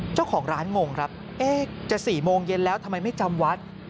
เจ้าของร้านงงครับจะ๔โมงเย็นแล้วทำไมไม่จำวัด